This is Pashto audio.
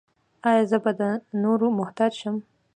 ایا زه به د نورو محتاج شم؟